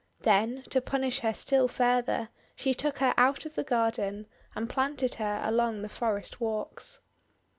Then, to punish her still further, she took her out of the garden, and planted her along the forest walks.